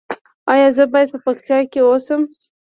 ایا زه باید په پکتیا کې اوسم؟